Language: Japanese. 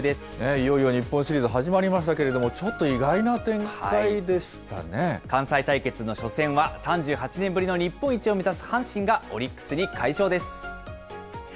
いよいよ日本シリーズ始まりましたけれども、ちょっと意外な関西対決の初戦は、３８年ぶりの日本一を目指す阪神が、オリックスに快勝です。